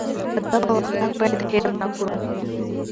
ادب او اخلاق باید هېر نه کړو.